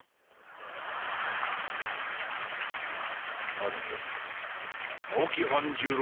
何青木半十郎？